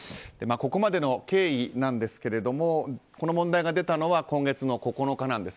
ここまでの経緯ですがこの問題が出たのは今月の９日です。